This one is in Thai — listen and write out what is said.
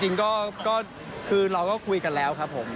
จริงก็คือเราก็คุยกันแล้วครับผม